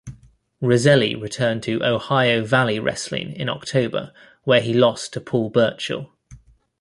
Roselli returned to Ohio Valley Wrestling in October where he lost to Paul Burchill.